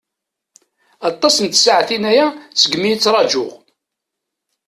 Aṭas n tsaɛtin-aya seg mi i ttṛajuɣ.